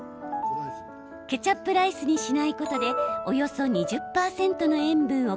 ケチャップライスにしないことでおよそ２０％の塩分を